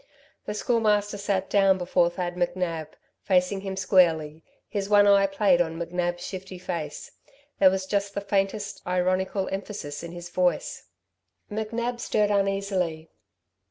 The Schoolmaster sat down before Thad McNab, facing him squarely, his one eye played on McNab's shifty face. There was just the faintest ironical emphasis in his voice. McNab stirred uneasily.